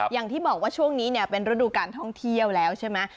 อย่างที่บอกว่าช่วงนี้เป็นฤดูการท่องเที่ยวแล้วใช่ไหม